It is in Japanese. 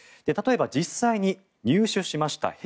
例えば実際に入手しました